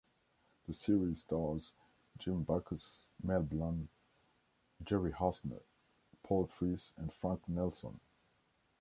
The series stars Jim Backus, Mel Blanc, Jerry Hausner, Paul Frees and Frank Nelson.